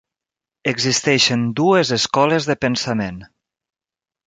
Existeixen dues escoles de pensament.